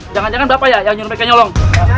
jangan jangan bapak ya yang nyuruh pakai nyolong